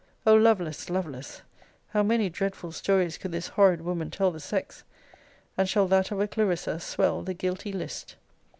O Lovelace, Lovelace, how many dreadful stories could this horrid woman tell the sex! And shall that of a Clarissa swell the guilty list?